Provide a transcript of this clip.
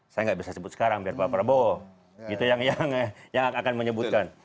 saya nggak bisa sebut sekarang biar pak prabowo gitu yang akan menyebutkan